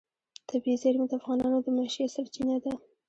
طبیعي زیرمې د افغانانو د معیشت سرچینه ده.